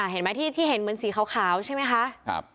เห็นไหมที่เห็นเหมือนสีขาวใช่ไหมคะ